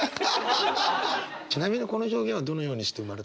ちなみにこの表現はどのようにして生まれたんですか？